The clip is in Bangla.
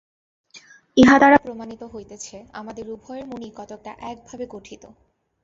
ইহাদ্বারা প্রমাণিত হইতেছে, আমাদের উভয়ের মনই কতকটা একভাবে গঠিত।